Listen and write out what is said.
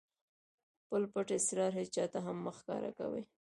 خپل پټ اسرار هېچاته هم مه ښکاره کوئ!